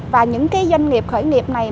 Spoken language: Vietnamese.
và những cái doanh nghiệp khởi nghiệp này